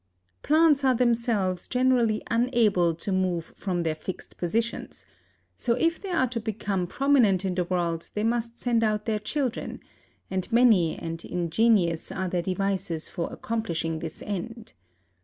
Plants are themselves generally unable to move from their fixed positions, so if they are to become prominent in the world they must send out their children—and many and ingenious are their devices for accomplishing this end.